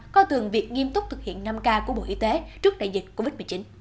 coi thường việc nghiêm túc thực hiện năm k của bộ y tế trước đại dịch covid một mươi chín